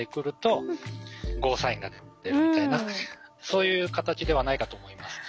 そういう形ではないかと思います。